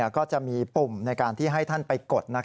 ก็จะมีปุ่มในการที่ให้ท่านไปกด